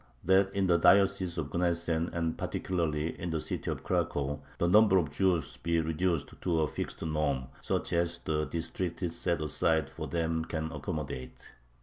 That in the diocese of Gnesen and particularly in the city of Cracow the number of Jews be reduced to a fixed norm, such as the district set aside for them can accommodate.